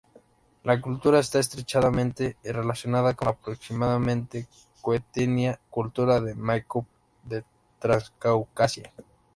La cultura está estrechamente relacionada con la aproximadamente coetánea cultura de Maikop de Transcaucasia.